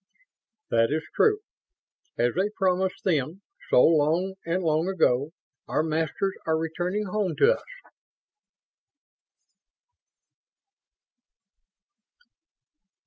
"That is true. As they promised, then, so long and long ago, our Masters are returning home to us."